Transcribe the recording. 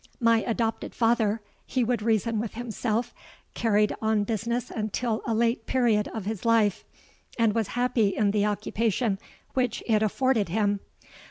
'My adopted father,' he would reason with himself, 'carried on business until a late period of his life, and was happy in the occupation which it afforded him.